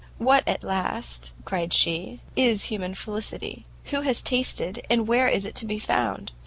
"What, at last," cried she, "is human felicity, who has tasted, and where is it to be found?